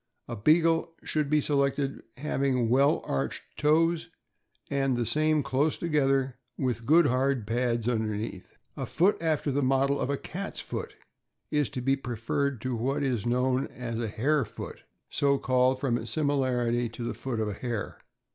A Bea gle should be selected having well arched toes, and the same close together, with good hard pads underneath. A foot afte?1 the model of a cat's foot is to be preferred to what is known as a " hare foot," so called from its similarity to the foot of a hare.